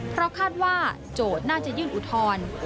เพราะคาดว่าโจทย์น่าจะยื่นอุทธรณ์